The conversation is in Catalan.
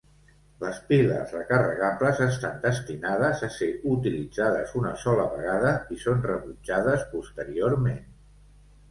Les piles recarregables estan destinades a ser utilitzades una sola vegada i són rebutjades posteriorment.